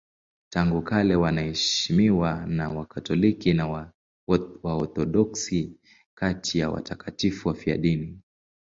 Tangu kale wanaheshimiwa na Wakatoliki na Waorthodoksi kati ya watakatifu wafiadini.